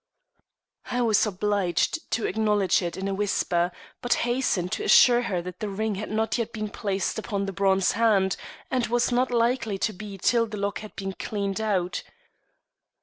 I was obliged to acknowledge it in a whisper, but hastened to assure her that the ring had not yet been placed upon the bronze hand, and was not likely to be till the lock had been cleaned, out.